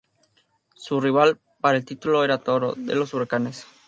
Su rival para el título era Toro, de los huracanes.